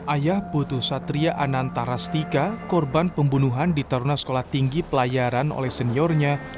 ayah putu satria ananta rastika korban pembunuhan di taruna sekolah tinggi pelayaran oleh seniornya